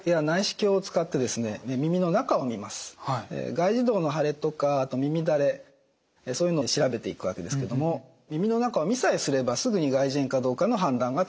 外耳道の腫れとか耳だれそういうのを調べていくわけですけども耳の中を見さえすればすぐに外耳炎かどうかの判断がつきます。